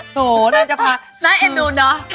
โอ้โฮน่าจะพาน่าเอ็ดนูนเนอะ